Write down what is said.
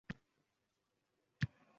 Men sevaman seni, ey odam